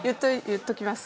言っておきます。